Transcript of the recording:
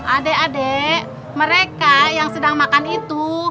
adek adek mereka yang sedang makan itu